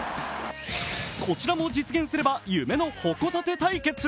こちらも実現すれば夢のホコタテ対決。